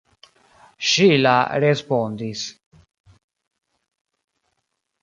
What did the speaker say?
Ŝila respondis.